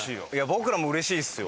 僕らもうれしいっすよ。